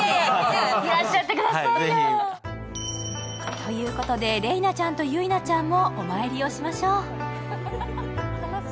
ということで、麗菜ちゃんとゆいなちゃんもお参りをしましょう。